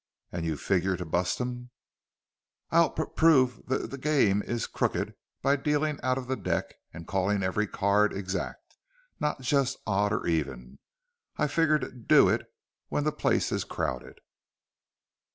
"And you figure to bust him." "I'll p prove the g game is crooked by dealing out the deck and calling every card exact, not just odd or even. I figure to d do it when the place is crowded."